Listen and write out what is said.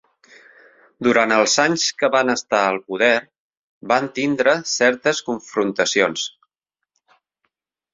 Durant els anys que van estar al poder, van tindre certes confrontacions.